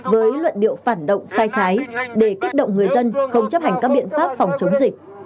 với luận điệu phản động sai trái để kích động người dân không chấp hành các biện pháp phòng chống dịch